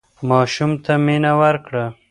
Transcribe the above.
ماشوم ته مینه ورکړه.